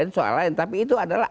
soal lain tapi itu adalah